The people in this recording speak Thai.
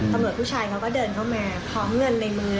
ตัวน้องชายเขาก็เดินเข้ามาของเงินในมือเลยนะ